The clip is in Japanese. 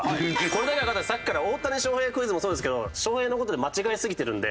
これだけはさっきから大谷翔平クイズもそうですけど翔平の事で間違いすぎてるんで。